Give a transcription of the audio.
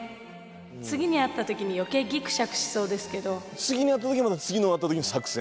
次に会った時に余計ギクシャクしそうですけど。